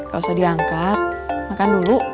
gak usah diangkat makan dulu